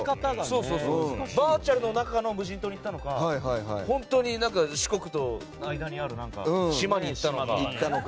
バーチャルの無人島か本当に四国とかの間にある島に行ったのか。